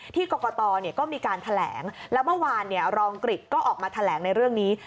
กรกตก็มีการแถลงแล้วเมื่อวานรองกริจก็ออกมาแถลงในเรื่องนี้